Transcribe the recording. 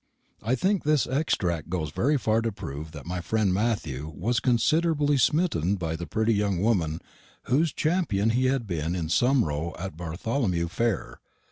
I think this extract goes very far to prove that my friend Matthew was considerably smitten by the pretty young woman whose champion he had been in some row at Bartholomew Fair.